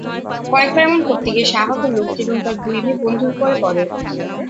কয়েকবার এমন করতে গিয়ে সে আহত লোকটি এবং তার দুই মেয়ে বন্ধুর উপর পড়ে।